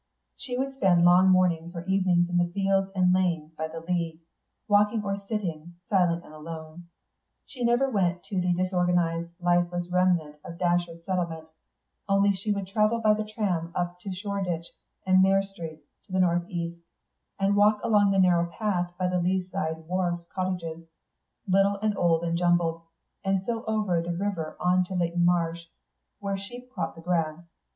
She would spend long mornings or evenings in the fields and lanes by the Lea, walking or sitting, silent and alone. She never went to the disorganised, lifeless remnant of Datcherd's settlement; only she would travel by the tram up Shoreditch and Mare Street to the north east, and walk along the narrow path by the Lea side wharf cottages, little and old and jumbled, and so over the river on to Leyton Marsh, where sheep crop the grass.